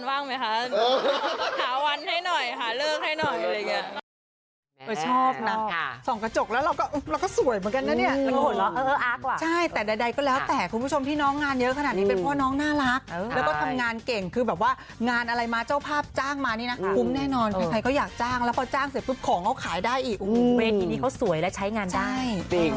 อาจารย์ว่างไหมคะหาวันให้หน่อยหาเลิกให้หน่อย